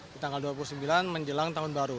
di tanggal dua puluh sembilan menjelang tahun baru